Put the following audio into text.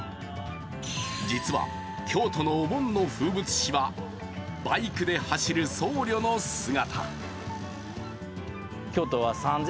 実は京都のお盆の風物詩はバイクで走る僧侶の姿。